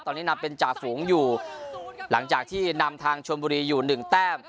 ตอนนี้นำเป็นจ่าฝูงอยู่หลังจากที่นำทางชวนบุรีอยู่หนึ่งแต้ม